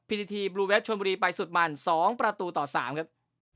พีทีทีบลูเวสชวนบุรีไปสุดมันสองประตูต่อสามครับ